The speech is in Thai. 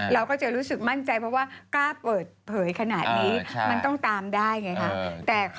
เราก็จะรู้สึกมั่นใจเพราะว่ากล้าเปิดเผยขนาดนี้มันต้องตามได้ไงคะ